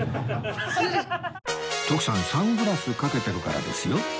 徳さんサングラスかけてるからですよ